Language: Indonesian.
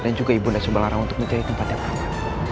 dan juga ibunda subalharang untuk mencari tempat yang benar